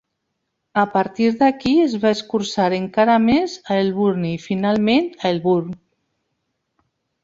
A partir d'aquí, es va escurçar encara més a Elburne, i finalment a Elburn.